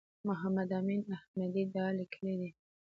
محمد امین احمدي دا لیکلي دي.